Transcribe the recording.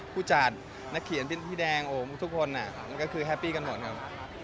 ผู้จัดนักเขียนพี่แดงทุกคนก็คือแฮปปี้กันหมดครับ